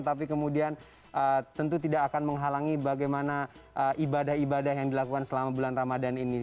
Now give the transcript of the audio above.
tapi kemudian tentu tidak akan menghalangi bagaimana ibadah ibadah yang dilakukan selama bulan ramadan ini